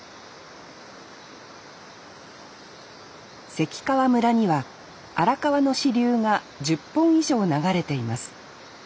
関川村には荒川の支流が１０本以上流れています。